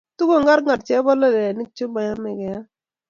Tukong'orngor chebololonik chuumayamei keam